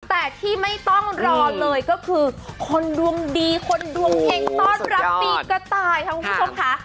แต่ที่ไม่ต้องรอเลยก็คือคนดวงดีคนดวงเฮงต้อนรับปีกระต่ายค่ะคุณผู้ชมค่ะ